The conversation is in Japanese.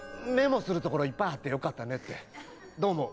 メモするとこ、いっぱいあってよかったねって。